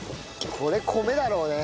これ米だろうね。